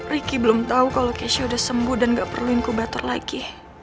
riki belum tahu kalau keshi udah sembuh dan gak perluin kubater lagi